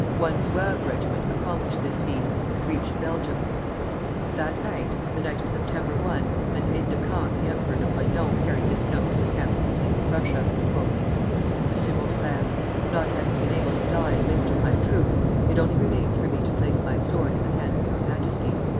One Zouave regiment accomplished this feat, and reached Belgium. That night the night of September 1 an aide de camp of the Emperor Napoleon carried this note to the camp of the king of Prussia: MONSIEUR MON FRÈRE, Not having been able to die in midst of my troops, it only remains for me to place my sword in the hands of your Majesty.